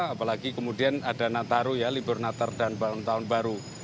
apalagi kemudian ada nataru ya libur natal dan tahun baru